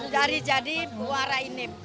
dari jadi muara inim